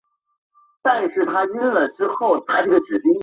安徽合肥人。